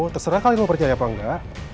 terserah kalian mau percaya apa enggak